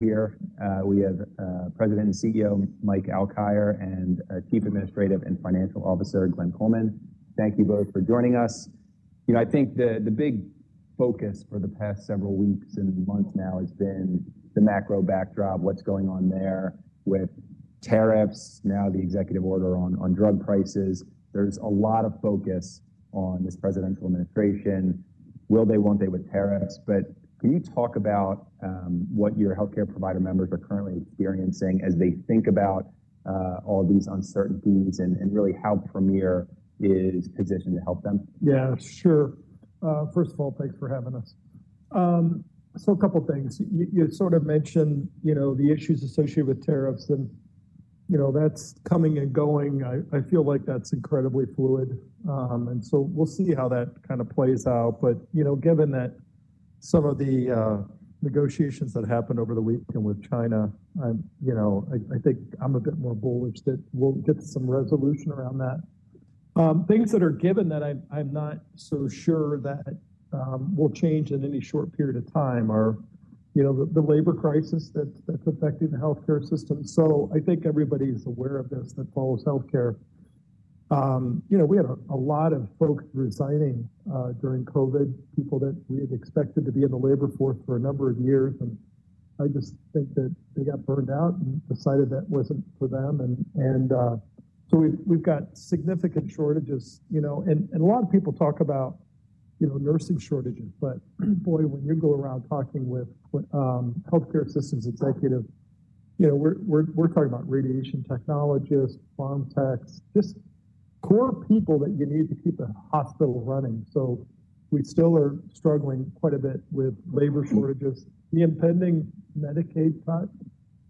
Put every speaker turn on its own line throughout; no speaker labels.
Here. We have President and CEO Mike Alkire and Chief Administrative and Financial Officer Glenn Coleman. Thank you both for joining us. You know, I think the big focus for the past several weeks and months now has been the macro backdrop, what's going on there with tariffs, now the executive order on drug prices. There's a lot of focus on this presidential administration. Will they? Won't they with tariffs? Can you talk about what your healthcare provider members are currently experiencing as they think about all these uncertainties and really how Premier is positioned to help them?
Yeah, sure. First of all, thanks for having us. So a couple of things. You sort of mentioned, you know, the issues associated with tariffs, and, you know, that's coming and going. I feel like that's incredibly fluid. We'll see how that kind of plays out. You know, given that some of the negotiations that happened over the weekend with China, you know, I think I'm a bit more bullish that we'll get some resolution around that. Things that are given that I'm not so sure that will change in any short period of time are, you know, the labor crisis that's affecting the healthcare system. I think everybody's aware of this that follows healthcare. You know, we had a lot of folks resigning during COVID, people that we had expected to be in the labor force for a number of years. I just think that they got burned out and decided that was not for them. We have significant shortages, you know, and a lot of people talk about, you know, nursing shortages. Boy, when you go around talking with healthcare systems executives, you know, we are talking about radiation technologists, pharm techs, just core people that you need to keep a hospital running. We still are struggling quite a bit with labor shortages. The impending Medicaid cut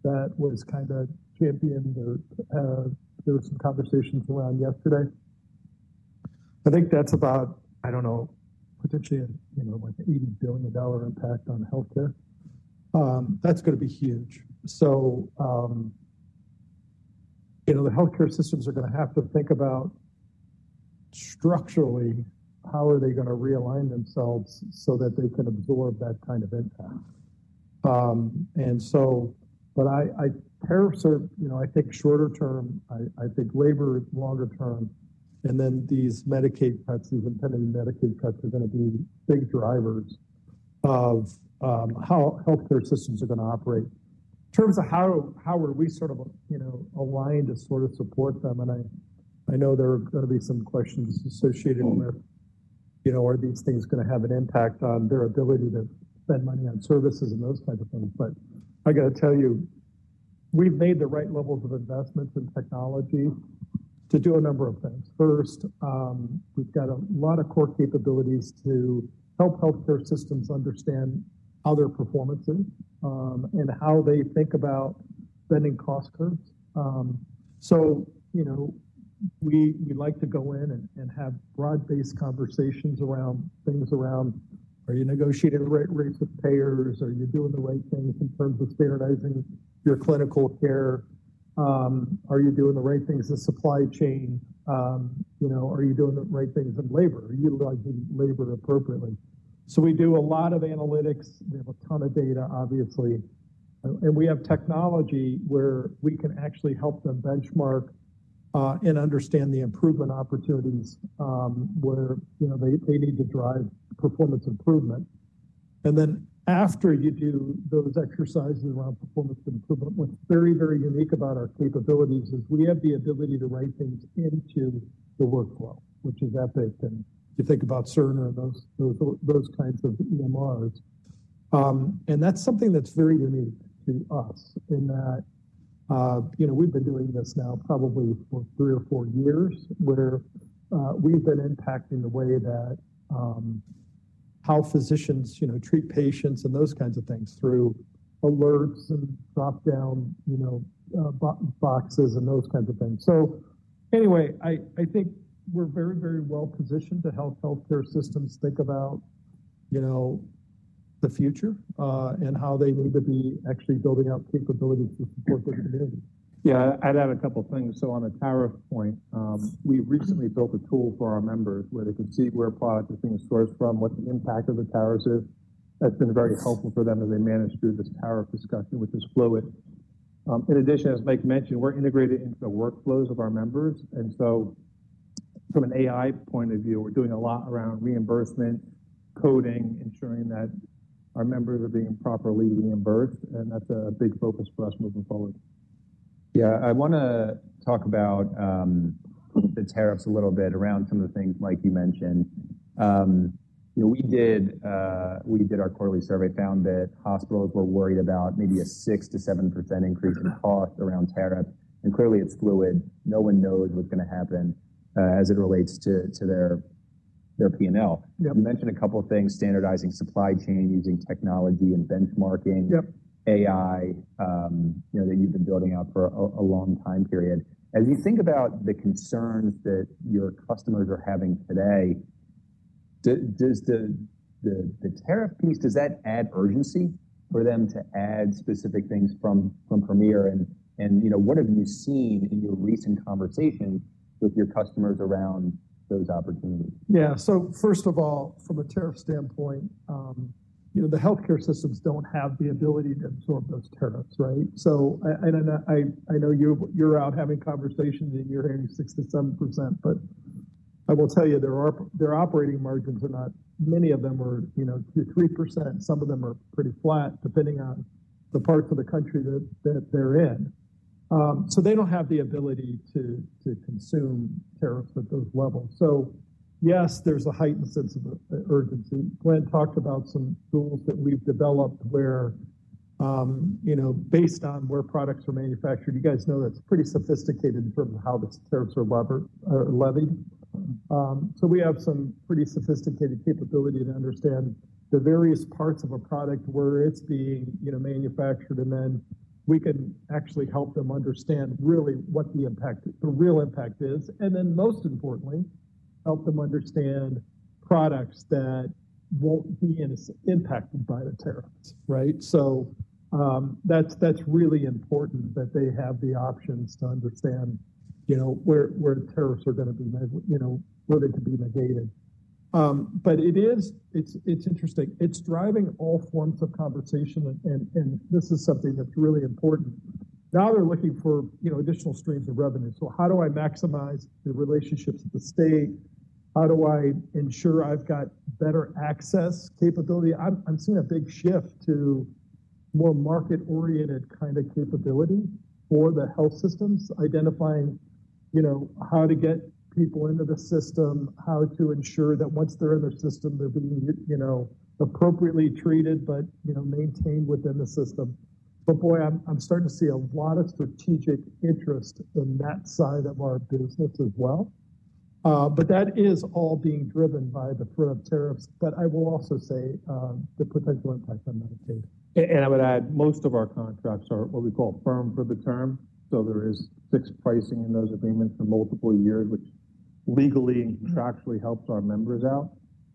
that was kind of championed, there were some conversations around yesterday. I think that is about, I do not know, potentially a, you know, like $80 billion impact on healthcare. That is going to be huge. The healthcare systems are going to have to think about structurally how they are going to realign themselves so that they can absorb that kind of impact. Tariffs are, you know, I think shorter term, I think labor is longer term. These Medicaid cuts, these impending Medicaid cuts are going to be big drivers of how healthcare systems are going to operate. In terms of how are we sort of, you know, aligned to sort of support them. I know there are going to be some questions associated with, you know, are these things going to have an impact on their ability to spend money on services and those kinds of things. I got to tell you, we've made the right levels of investments in technology to do a number of things. First, we've got a lot of core capabilities to help healthcare systems understand how their performance is and how they think about spending cost curves. You know, we like to go in and have broad-based conversations around things around, are you negotiating the right rates with payers? Are you doing the right things in terms of standardizing your clinical care? Are you doing the right things in supply chain? You know, are you doing the right things in labor? Are you utilizing labor appropriately? We do a lot of analytics. We have a ton of data, obviously. We have technology where we can actually help them benchmark and understand the improvement opportunities where, you know, they need to drive performance improvement. After you do those exercises around performance improvement, what's very, very unique about our capabilities is we have the ability to write things into the workflow, which is Epic and you think about Cerner and those kinds of EMRs. That's something that's very unique to us in that, you know, we've been doing this now probably for three or four years where we've been impacting the way that how physicians, you know, treat patients and those kinds of things through alerts and drop down, you know, boxes and those kinds of things. Anyway, I think we're very, very well positioned to help healthcare systems think about, you know, the future and how they need to be actually building out capabilities to support their community.
Yeah, I'd add a couple of things. On a tariff point, we recently built a tool for our members where they can see where product is being sourced from, what the impact of the tariffs is. That's been very helpful for them as they manage through this tariff discussion, which is fluid. In addition, as Mike mentioned, we're integrated into the workflows of our members. From an AI point of view, we're doing a lot around reimbursement, coding, ensuring that our members are being properly reimbursed. That's a big focus for us moving forward. Yeah, I want to talk about the tariffs a little bit around some of the things Mike you mentioned. You know, we did our quarterly survey, found that hospitals were worried about maybe a 6-7% increase in cost around tariffs. And clearly it's fluid. No one knows what's going to happen as it relates to their P&L. You mentioned a couple of things, standardizing supply chain, using technology and benchmarking, AI, you know, that you've been building out for a long time period. As you think about the concerns that your customers are having today, does the tariff piece, does that add urgency for them to add specific things from Premier? And, you know, what have you seen in your recent conversations with your customers around those opportunities?
Yeah, so first of all, from a tariff standpoint, you know, the healthcare systems don't have the ability to absorb those tariffs, right? I know you're out having conversations and you're hearing 6-7%, but I will tell you, their operating margins are not, many of them are, you know, 2-3%. Some of them are pretty flat depending on the parts of the country that they're in. They don't have the ability to consume tariffs at those levels. Yes, there's a heightened sense of urgency. Glenn talked about some tools that we've developed where, you know, based on where products are manufactured, you guys know that's pretty sophisticated in terms of how the tariffs are levied. We have some pretty sophisticated capability to understand the various parts of a product where it's being, you know, manufactured, and then we can actually help them understand really what the impact, the real impact is. Most importantly, help them understand products that won't be impacted by the tariffs, right? That's really important that they have the options to understand, you know, where tariffs are going to be, you know, where they could be negated. It is, it's interesting. It's driving all forms of conversation, and this is something that's really important. Now they're looking for, you know, additional streams of revenue. How do I maximize the relationships with the state? How do I ensure I've got better access capability? I'm seeing a big shift to more market-oriented kind of capability for the health systems, identifying, you know, how to get people into the system, how to ensure that once they're in the system, they're being, you know, appropriately treated, but, you know, maintained within the system. I am starting to see a lot of strategic interest in that side of our business as well. That is all being driven by the threat of tariffs. I will also say the potential impact on Medicaid.
I would add most of our contracts are what we call firm for the term. There is fixed pricing in those agreements for multiple years, which legally and contractually helps our members out.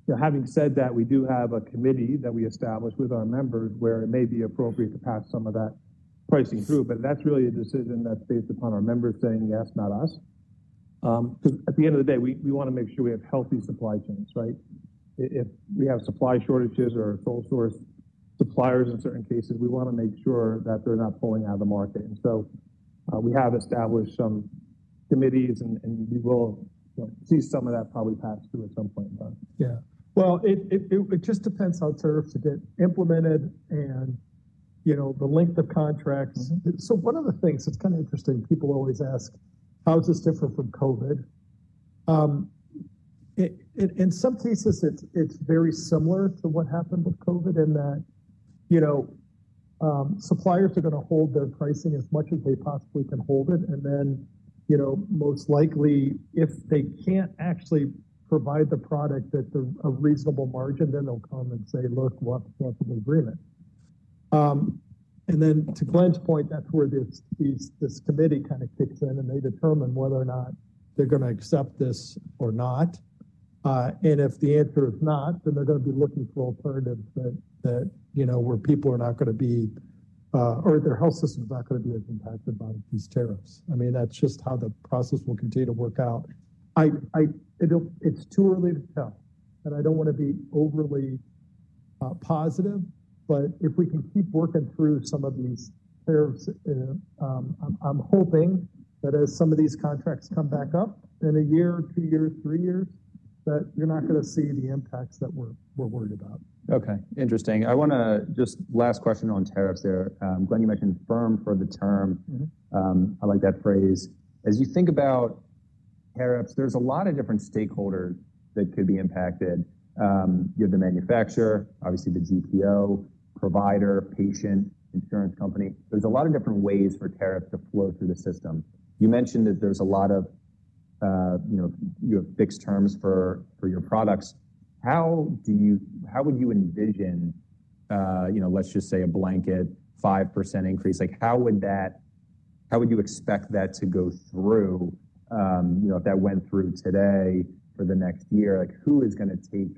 You know, having said that, we do have a committee that we establish with our members where it may be appropriate to pass some of that pricing through. That is really a decision that is based upon our members saying yes, not us. Because at the end of the day, we want to make sure we have healthy supply chains, right? If we have supply shortages or sole source suppliers in certain cases, we want to make sure that they are not pulling out of the market. We have established some committees and we will see some of that probably pass through at some point in time.
Yeah. It just depends how tariffs get implemented and, you know, the length of contracts. One of the things that's kind of interesting, people always ask, how does this differ from COVID? In some cases, it's very similar to what happened with COVID in that, you know, suppliers are going to hold their pricing as much as they possibly can hold it. You know, most likely, if they can't actually provide the product at a reasonable margin, they'll come and say, look, we'll have to go through an agreement. To Glenn's point, that's where this committee kind of kicks in and they determine whether or not they're going to accept this or not. If the answer is not, then they're going to be looking for alternatives that, you know, where people are not going to be, or their health system is not going to be as impacted by these tariffs. I mean, that's just how the process will continue to work out. It's too early to tell. I don't want to be overly positive, but if we can keep working through some of these tariffs, I'm hoping that as some of these contracts come back up in a year, two years, three years, that you're not going to see the impacts that we're worried about. Okay. Interesting. I want to just last question on tariffs there. Glenn, you mentioned firm for the term. I like that phrase. As you think about tariffs, there's a lot of different stakeholders that could be impacted. You have the manufacturer, obviously the GPO, provider, patient, insurance company. There's a lot of different ways for tariffs to flow through the system. You mentioned that there's a lot of, you know, you have fixed terms for your products. How do you, how would you envision, you know, let's just say a blanket 5% increase? Like how would that, how would you expect that to go through, you know, if that went through today for the next year? Like who is going to take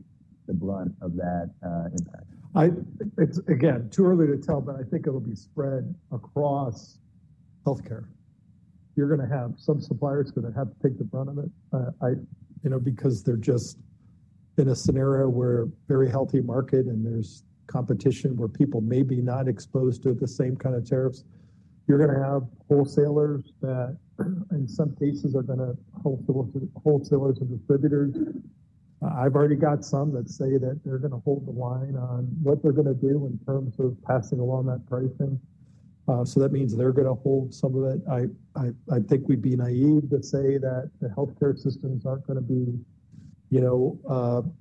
the brunt of that impact? Again, too early to tell, but I think it'll be spread across healthcare. You're going to have some suppliers going to have to take the brunt of it. You know, because they're just in a scenario where very healthy market and there's competition where people may be not exposed to the same kind of tariffs. You're going to have wholesalers that in some cases are going to wholesalers and distributors. I've already got some that say that they're going to hold the line on what they're going to do in terms of passing along that pricing. That means they're going to hold some of it. I think we'd be naive to say that the healthcare systems aren't going to be, you know,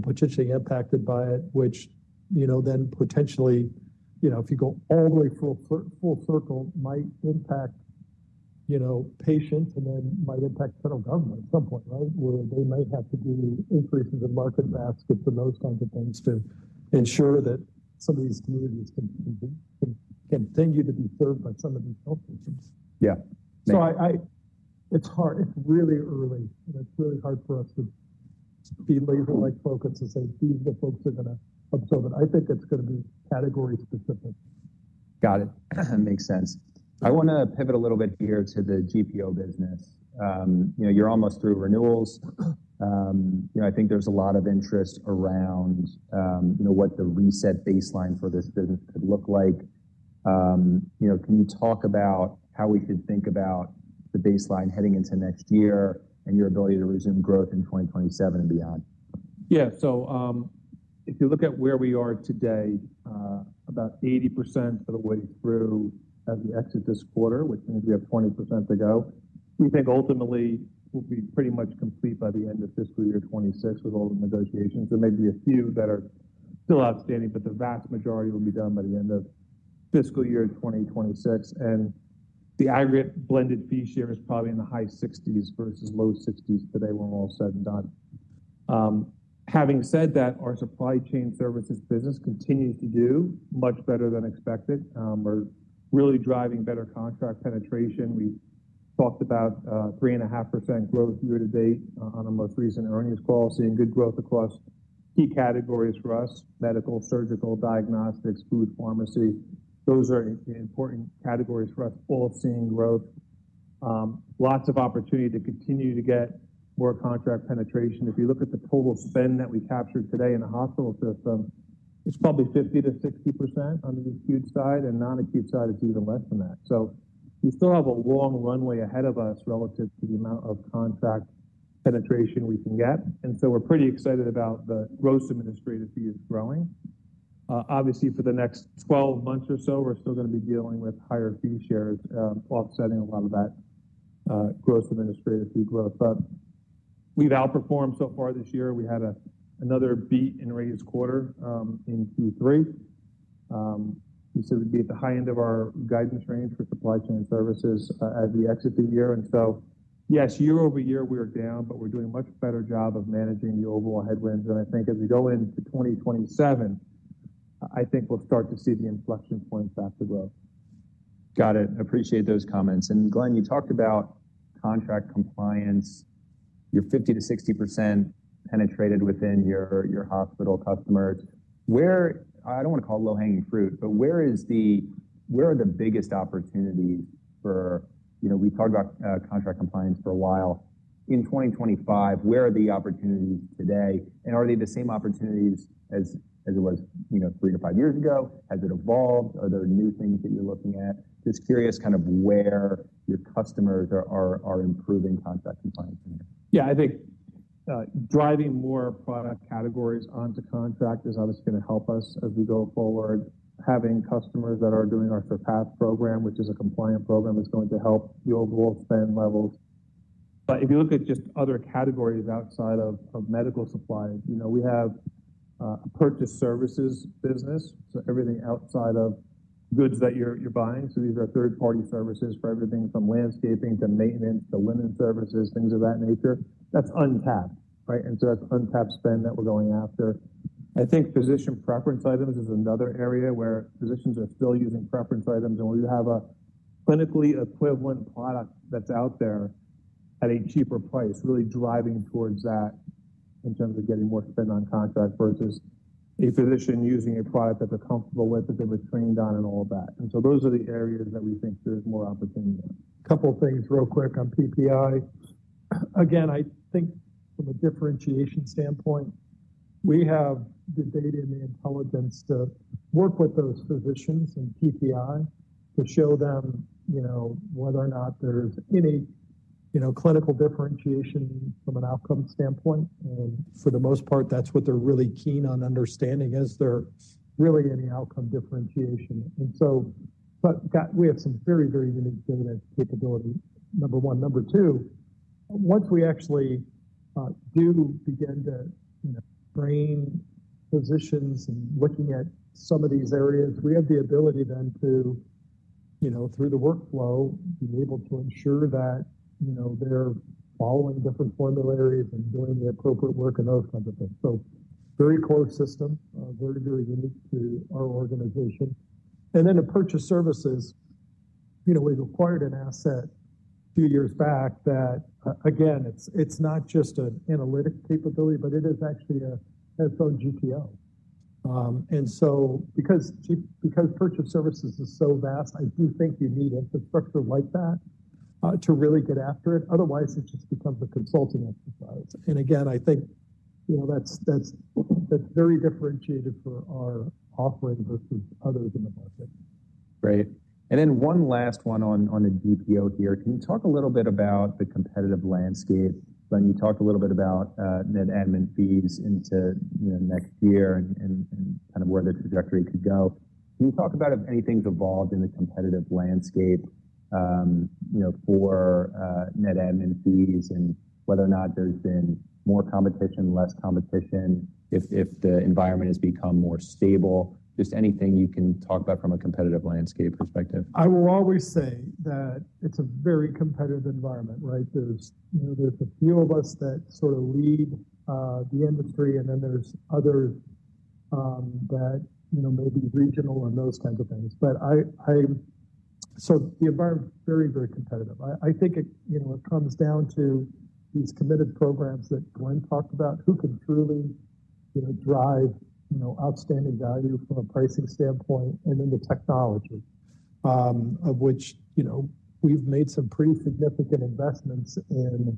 potentially impacted by it, which, you know, then potentially, you know, if you go all the way full circle, might impact, you know, patients and then might impact federal government at some point, right? Where they might have to do increases in market baskets and those kinds of things to ensure that some of these communities can continue to be served by some of these health systems.
Yeah.
It's hard, it's really early. It's really hard for us to be laser-like focused to say these are the folks who are going to absorb it. I think it's going to be category specific. Got it. That makes sense. I want to pivot a little bit here to the GPO business. You know, you're almost through renewals. You know, I think there's a lot of interest around, you know, what the reset baseline for this business could look like. You know, can you talk about how we should think about the baseline heading into next year and your ability to resume growth in 2027 and beyond?
Yeah. If you look at where we are today, about 80% of the way through as we exit this quarter, which means we have 20% to go, we think ultimately we'll be pretty much complete by the end of fiscal year 2026 with all the negotiations. There may be a few that are still outstanding, but the vast majority will be done by the end of fiscal year 2026. The aggregate blended fee share is probably in the high 60% versus low 60% today when we're all said and done. Having said that, our supply chain services business continues to do much better than expected, really driving better contract penetration. We've talked about 3.5% growth year to date on the most recent earnings call, seeing good growth across key categories for us, medical, surgical, diagnostics, food, pharmacy. Those are important categories for us, all seeing growth. Lots of opportunity to continue to get more contract penetration. If you look at the total spend that we captured today in the hospital system, it's probably 50-60% on the acute side. On the non-acute side, it's even less than that. We still have a long runway ahead of us relative to the amount of contract penetration we can get. We're pretty excited about the gross administrative fees growing. Obviously, for the next 12 months or so, we're still going to be dealing with higher fee shares, offsetting a lot of that gross administrative fee growth. We've outperformed so far this year. We had another beat and raise quarter in Q3. We said we'd be at the high end of our guidance range for supply chain services as we exit the year. Yes, year-over-year, we are down, but we're doing a much better job of managing the overall headwinds. I think as we go into 2027, I think we'll start to see the inflection points after growth. Got it. Appreciate those comments. Glenn, you talked about contract compliance, your 50-60% penetrated within your hospital customers. Where, I do not want to call it low-hanging fruit, but where are the biggest opportunities for, you know, we have talked about contract compliance for a while in 2025, where are the opportunities today? Are they the same opportunities as it was, you know, three to five years ago? Has it evolved? Are there new things that you are looking at? Just curious kind of where your customers are improving contract compliance in here. Yeah, I think driving more product categories onto contract is obviously going to help us as we go forward. Having customers that are doing our SURPASS program, which is a compliant program, is going to help the overall spend levels. If you look at just other categories outside of medical supplies, you know, we have a purchase services business. Everything outside of goods that you're buying. These are third-party services for everything from landscaping to maintenance to linen services, things of that nature. That's untapped, right? That's untapped spend that we're going after. I think physician preference items is another area where physicians are still using preference items. We have a clinically equivalent product that's out there at a cheaper price, really driving towards that in terms of getting more spend on contract versus a physician using a product that they're comfortable with, that they've been trained on and all of that. Those are the areas that we think there's more opportunity on.
A couple of things real quick on PPI. Again, I think from a differentiation standpoint, we have the data and the intelligence to work with those physicians and PPI to show them, you know, whether or not there's any, you know, clinical differentiation from an outcome standpoint. For the most part, that's what they're really keen on understanding, is there really any outcome differentiation. We have some very, very unique data capability, number one. Number two, once we actually do begin to, you know, train physicians and looking at some of these areas, we have the ability then to, you know, through the workflow, be able to ensure that, you know, they're following different formularies and doing the appropriate work and those kinds of things. Very core system, very, very unique to our organization. Then the purchase services, you know, we required an asset a few years back that, again, it's not just an analytic capability, but it is actually a health care GPO. Because purchase services is so vast, I do think you need infrastructure like that to really get after it. Otherwise, it just becomes a consulting exercise. Again, I think, you know, that's very differentiated for our offering versus others in the market. Great. One last one on the GPO here. Can you talk a little bit about the competitive landscape? Glenn, you talked a little bit about net admin fees into, you know, next year and kind of where the trajectory could go. Can you talk about if anything's evolved in the competitive landscape, you know, for net admin fees and whether or not there's been more competition, less competition, if the environment has become more stable? Just anything you can talk about from a competitive landscape perspective. I will always say that it's a very competitive environment, right? There's a few of us that sort of lead the industry and then there's others that, you know, may be regional and those kinds of things. The environment is very, very competitive. I think it, you know, it comes down to these committed programs that Glenn talked about, who can truly, you know, drive, you know, outstanding value from a pricing standpoint and then the technology, of which, you know, we've made some pretty significant investments in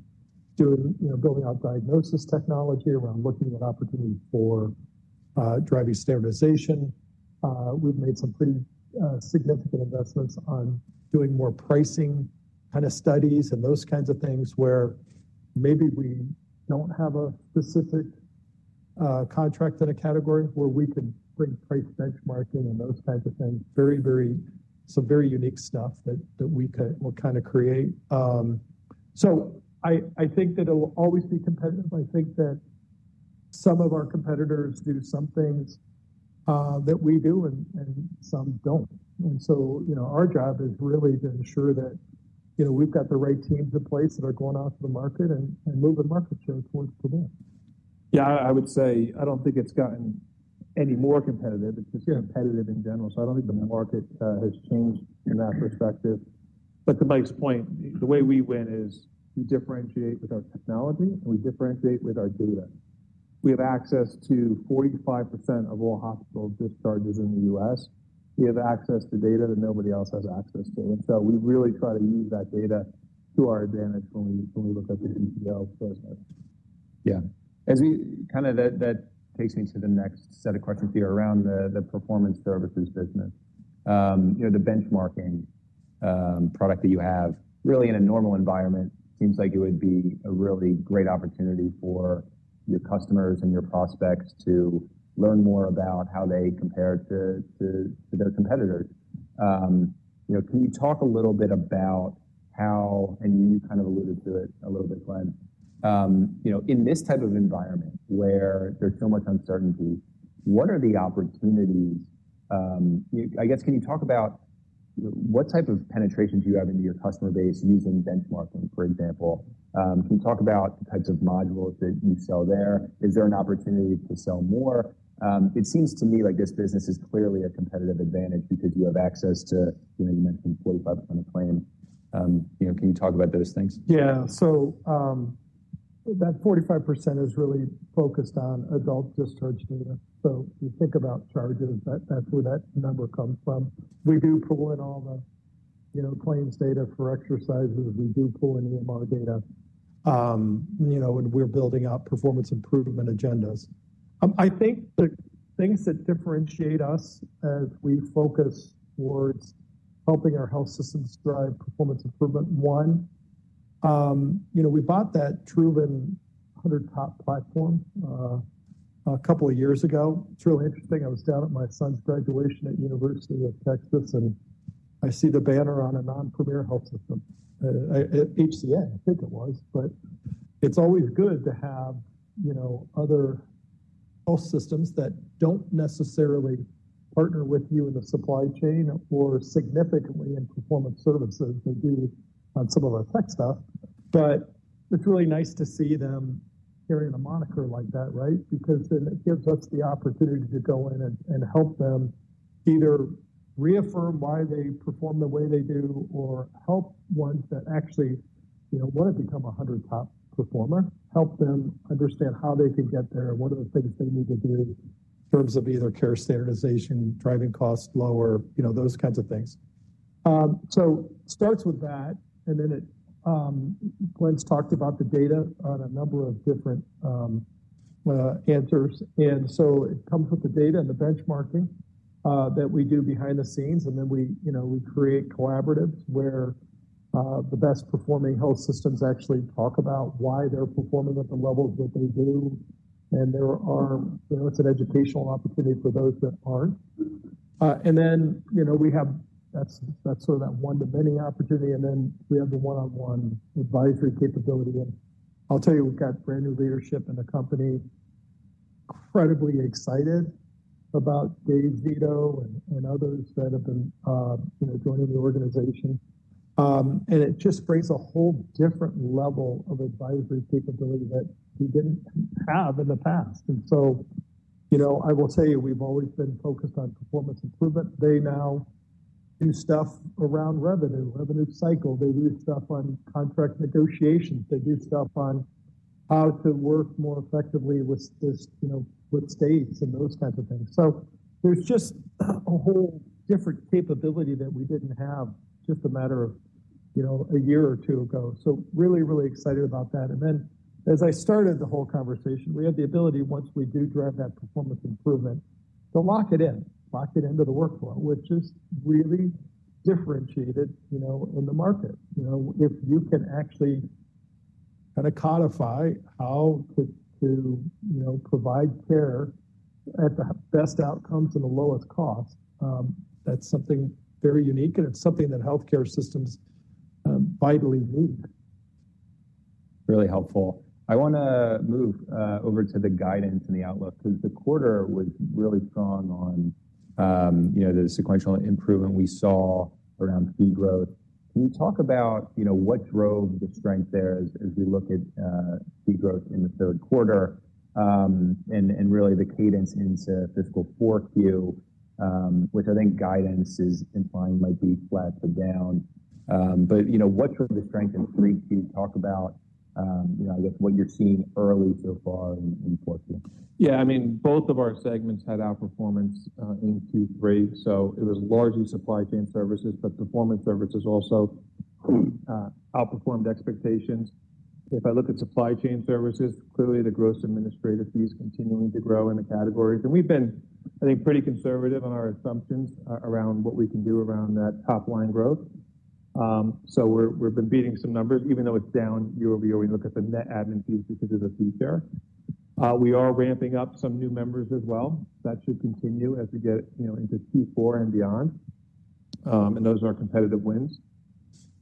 doing, you know, building out diagnosis technology around looking at opportunity for driving standardization. We've made some pretty significant investments on doing more pricing kind of studies and those kinds of things where maybe we don't have a specific contract in a category where we could bring price benchmarking and those kinds of things. Very, very, some very unique stuff that we could kind of create. I think that it'll always be competitive. I think that some of our competitors do some things that we do and some do not. You know, our job is really to ensure that, you know, we've got the right teams in place that are going off to the market and moving market share towards today.
Yeah, I would say I don't think it's gotten any more competitive. It's just competitive in general. I don't think the market has changed in that perspective. To Mike's point, the way we win is we differentiate with our technology and we differentiate with our data. We have access to 45% of all hospital discharges in the U.S.. We have access to data that nobody else has access to. We really try to use that data to our advantage when we look at the GPO business. Yeah. As we kind of, that takes me to the next set of questions here around the performance services business. You know, the benchmarking product that you have, really in a normal environment, seems like it would be a really great opportunity for your customers and your prospects to learn more about how they compare to their competitors. You know, can you talk a little bit about how, and you kind of alluded to it a little bit, Glenn, you know, in this type of environment where there's so much uncertainty, what are the opportunities? I guess can you talk about what type of penetration do you have into your customer base using benchmarking, for example? Can you talk about the types of modules that you sell there? Is there an opportunity to sell more? It seems to me like this business is clearly a competitive advantage because you have access to, you know, you mentioned 45% of claims. You know, can you talk about those things?
Yeah. So that 45% is really focused on adult discharge data. So if you think about charges, that's where that number comes from. We do pull in all the, you know, claims data for exercises. We do pull in EMR data. You know, and we're building out performance improvement agendas. I think the things that differentiate us as we focus towards helping our health systems drive performance improvement, one, you know, we bought that Truven 100 Top platform a couple of years ago. It's really interesting. I was down at my son's graduation at the University of Texas, and I see the banner on a non-Premier health system, HCA, I think it was. But it's always good to have, you know, other health systems that do not necessarily partner with you in the supply chain or significantly in performance services that do some of our tech stuff. It is really nice to see them carrying a moniker like that, right? Because then it gives us the opportunity to go in and help them either reaffirm why they perform the way they do or help ones that actually, you know, want to become a 100 Top performer, help them understand how they can get there and what are the things they need to do in terms of either care standardization, driving costs lower, you know, those kinds of things. It starts with that. Glenn's talked about the data on a number of different answers. It comes with the data and the benchmarking that we do behind the scenes. We create collaboratives where the best performing health systems actually talk about why they're performing at the levels that they do. There are, you know, it's an educational opportunity for those that aren't. You know, we have, that's sort of that one to many opportunity. We have the one-on-one advisory capability. I'll tell you, we've got brand new leadership in the company, incredibly excited about Dave Zito and others that have been, you know, joining the organization. It just brings a whole different level of advisory capability that we didn't have in the past. You know, I will tell you, we've always been focused on performance improvement. They now do stuff around revenue, revenue cycle. They do stuff on contract negotiations. They do stuff on how to work more effectively with states and those kinds of things. There's just a whole different capability that we didn't have just a matter of, you know, a year or two ago. Really, really excited about that. And then as I started the whole conversation, we have the ability, once we do drive that performance improvement, to lock it in, lock it into the workflow, which is really differentiated, you know, in the market. You know, if you can actually kind of codify how to, you know, provide care at the best outcomes and the lowest cost, that's something very unique. And it's something that healthcare systems vitally need. Really helpful. I want to move over to the guidance and the outlook because the quarter was really strong on, you know, the sequential improvement we saw around fee growth. Can you talk about, you know, what drove the strength there as we look at fee growth in the third quarter and really the cadence into fiscal 4Q, which I think guidance is implying might be flat or down? You know, what drove the strength in 3Q? Talk about, you know, I guess what you're seeing early so far in 4Q.
Yeah. I mean, both of our segments had outperformance in Q3. It was largely supply chain services, but performance services also outperformed expectations. If I look at supply chain services, clearly the gross administrative fees continuing to grow in the categories. We have been, I think, pretty conservative on our assumptions around what we can do around that top line growth. We have been beating some numbers, even though it is down year-over-year. We look at the net admin fees because of the fee share. We are ramping up some new members as well. That should continue as we get, you know, into Q4 and beyond. Those are our competitive wins.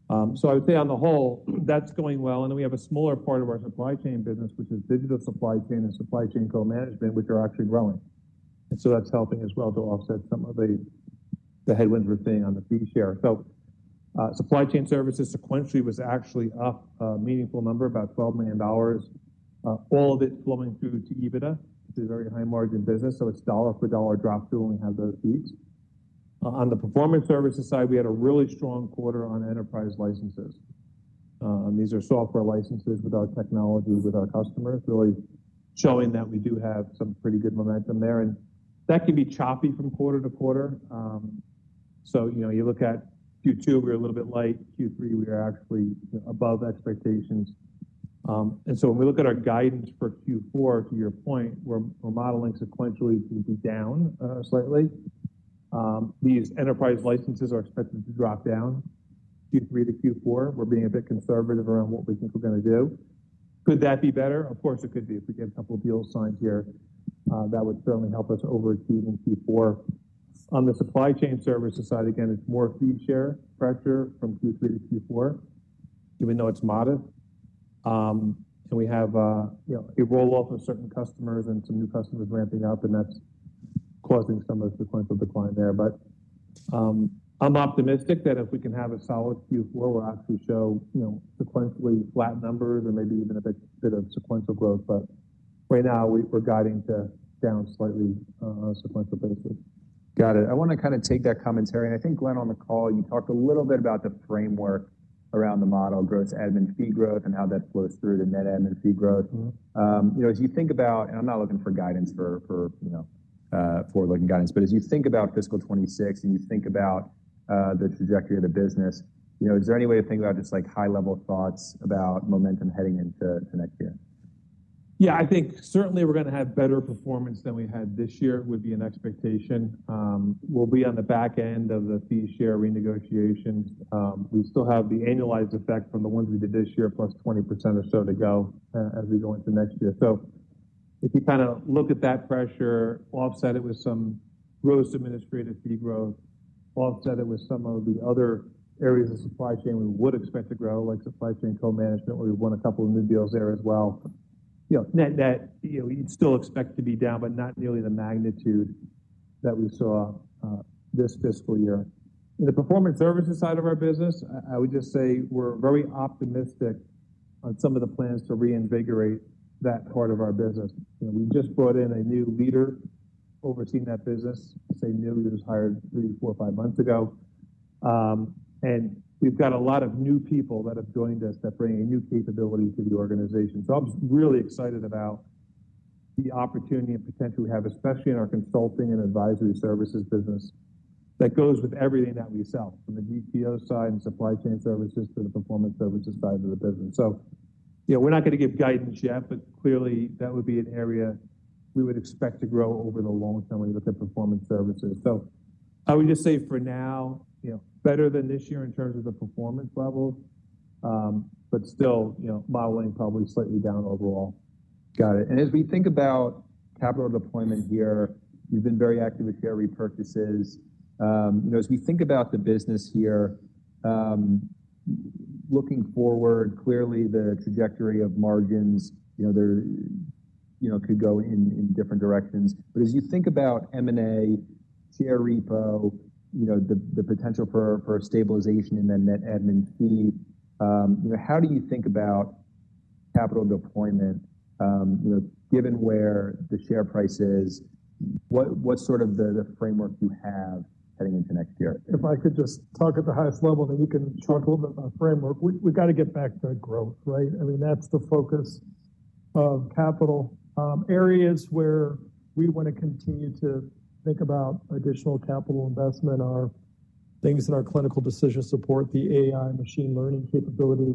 I would say on the whole, that is going well. We have a smaller part of our supply chain business, which is digital supply chain and supply chain co-management, which are actually growing. That is helping as well to offset some of the headwinds we are seeing on the fee share. Supply chain services sequentially was actually up a meaningful number, about $12 million, all of it flowing through to EBITDA. It is a very high margin business. It is dollar for dollar drop through when we have those fees. On the performance services side, we had a really strong quarter on enterprise licenses. These are software licenses with our technology, with our customers, really showing that we do have some pretty good momentum there. That can be choppy from quarter to quarter. You know, you look at Q2, we were a little bit light. Q3, we were actually above expectations. When we look at our guidance for Q4, to your point, we are modeling sequentially to be down slightly. These enterprise licenses are expected to drop down Q3 to Q4. We're being a bit conservative around what we think we're going to do. Could that be better? Of course, it could be. If we get a couple of deals signed here, that would certainly help us overachieve in Q4. On the supply chain services side, again, it's more fee share pressure from Q3 to Q4, even though it's modest. And we have, you know, a roll-off of certain customers and some new customers ramping up, and that's causing some of the sequential decline there. But I'm optimistic that if we can have a solid Q4, we'll actually show, you know, sequentially flat numbers or maybe even a bit of sequential growth. But right now, we're guiding to down slightly on a sequential basis. Got it. I want to kind of take that commentary. I think, Glenn, on the call, you talked a little bit about the framework around the model, growth, admin fee growth, and how that flows through to net admin fee growth. You know, as you think about, and I'm not looking for guidance for, you know, for looking guidance, but as you think about fiscal 2026 and you think about the trajectory of the business, you know, is there any way to think about just like high-level thoughts about momentum heading into next year? Yeah, I think certainly we're going to have better performance than we had this year would be an expectation. We'll be on the back end of the fee share renegotiations. We still have the annualized effect from the ones we did this year, +20% or so to go as we go into next year. If you kind of look at that pressure, offset it with some gross administrative fee growth, offset it with some of the other areas of supply chain we would expect to grow, like supply chain co-management, where we've won a couple of new deals there as well. You know, net net, you'd still expect to be down, but not nearly the magnitude that we saw this fiscal year. In the performance services side of our business, I would just say we're very optimistic on some of the plans to reinvigorate that part of our business. You know, we just brought in a new leader overseeing that business. Same new leader was hired three, four, five months ago. And we've got a lot of new people that have joined us that bring a new capability to the organization. So I'm really excited about the opportunity and potential we have, especially in our consulting and advisory services business that goes with everything that we sell from the GPO side and supply chain services to the performance services side of the business. You know, we're not going to give guidance yet, but clearly that would be an area we would expect to grow over the long term when you look at performance services. I would just say for now, you know, better than this year in terms of the performance levels, but still, you know, modeling probably slightly down overall. Got it. As we think about capital deployment here, you've been very active with share repurchases. You know, as we think about the business here, looking forward, clearly the trajectory of margins, you know, there, you know, could go in different directions. As you think about M&A, share repo, you know, the potential for stabilization in the net admin fee, you know, how do you think about capital deployment, you know, given where the share price is? What is sort of the framework you have heading into next year?
If I could just talk at the highest level, then we can talk a little bit about framework. We've got to get back to growth, right? I mean, that's the focus of capital. Areas where we want to continue to think about additional capital investment are things in our clinical decision support, the AI machine learning capability.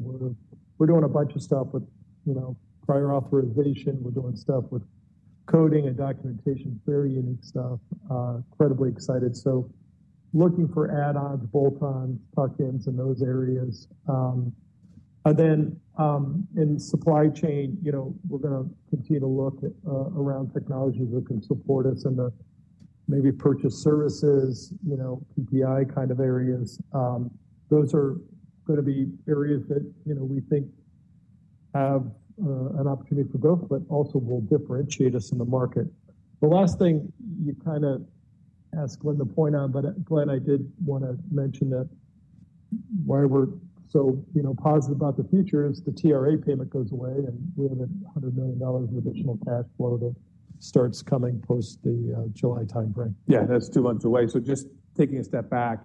We're doing a bunch of stuff with, you know, prior authorization. We're doing stuff with coding and documentation, very unique stuff, incredibly excited. Looking for add-ons, bolt-ons, tuck-ins in those areas. In supply chain, you know, we're going to continue to look around technologies that can support us in the maybe purchase services, you know, PPI kind of areas. Those are going to be areas that, you know, we think have an opportunity for growth, but also will differentiate us in the market. The last thing you kind of asked Glenn to point on, but Glenn, I did want to mention that why we're so, you know, positive about the future is the TRA payment goes away and we have $100 million of additional cash flow that starts coming post the July timeframe.
Yeah, that's two months away. Just taking a step back,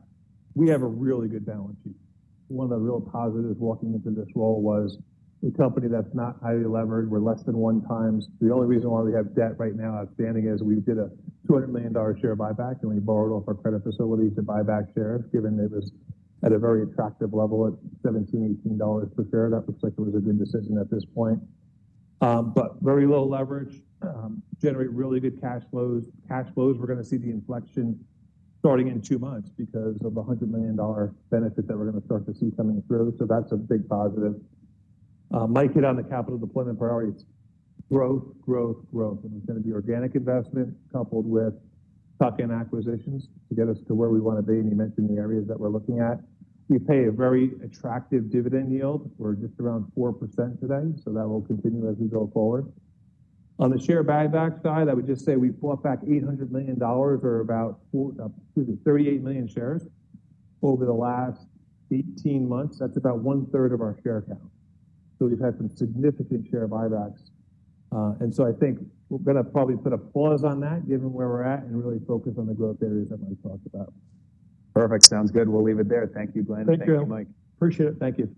we have a really good balance sheet. One of the real positives walking into this role was a company that's not highly levered. We're less than one times. The only reason why we have debt right now outstanding is we did a $200 million share buyback and we borrowed off our credit facility to buyback shares, given it was at a very attractive level at $17, $18 per share. That looks like it was a good decision at this point. Very low leverage, generate really good cash flows. Cash flows, we're going to see the inflection starting in two months because of the $100 million benefits that we're going to start to see coming through. That's a big positive. My hit on the capital deployment priority is growth, growth, growth. It is going to be organic investment coupled with tuck-in acquisitions to get us to where we want to be. You mentioned the areas that we are looking at. We pay a very attractive dividend yield. We are just around 4% today. That will continue as we go forward. On the share buyback side, I would just say we bought back $800 million or about, excuse me, 38 million shares over the last 18 months. That is about one third of our share count. We have had some significant share buybacks. I think we are going to probably put a pause on that, given where we are at, and really focus on the growth areas that Mike talked about. Perfect. Sounds good. We will leave it there. Thank you, Glenn. Thank you, Mike.
Appreciate it. Thank you.